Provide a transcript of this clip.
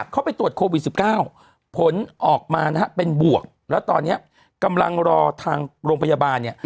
เขาไปตรวจโควิด๑๙ผลออกมานะฮะเป็นบวกแล้วตอนนี้กำลังรอทางโรงพยาบาลเนี่ย